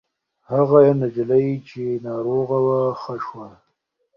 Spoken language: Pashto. هغه نجلۍ چې ناروغه وه ښه شوه.